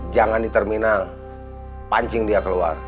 jangan di terminal pancing dia keluar